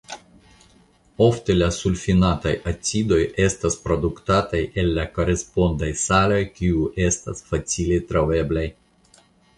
Ofte la sulfinataj acidoj estas produktataj el la korespondaj saloj kiuj estas facile troveblaj.